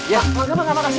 ya makasih makasih